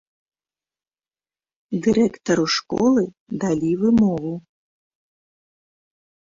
Дырэктару школы далі вымову.